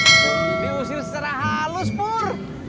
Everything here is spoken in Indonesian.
ini usir secara halus pur